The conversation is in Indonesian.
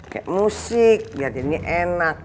kayak musik ya jadinya enak